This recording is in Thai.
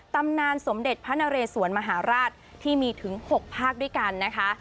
ตำนานสมเด็จพระนเรสวนมหาราชที่มีถึง๖ภาคด้วยกันนะคะ